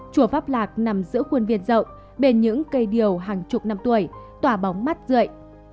chùa pháp lạc nằm giữa khuôn viên rộng bền những cây điều hàng chục năm tuổi tỏa bóng mắt rợi